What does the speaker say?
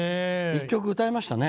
１曲歌えましたね。